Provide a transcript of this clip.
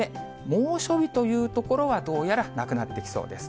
猛暑日という所は、どうやらなくなってきそうです。